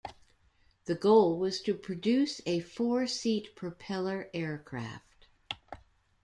The goal was to produce a four-seat propeller aircraft.